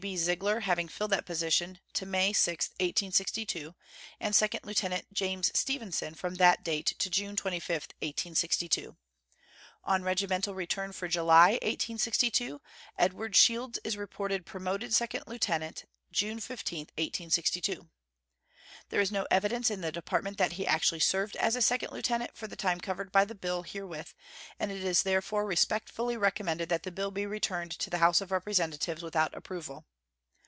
B. Zeigler having filled that position to May 6, 1862, and Second Lieutenant James Stevenson from that date to June 25, 1862. On regimental return for July, 1862, Edward Shields is reported promoted second lieutenant June 15, 1862. There is no evidence in the Department that he actually served as a second lieutenant for the time covered by the bill herewith, and it is therefore respectfully recommended that the bill be returned to the House of Representatives without approval.